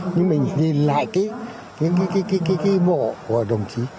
nhưng mình nhìn lại cái mộ của đồng chí